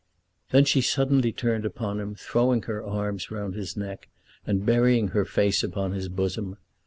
Then she suddenly turned upon him, throwing her arms round his neck, and burying her face upon his bosom.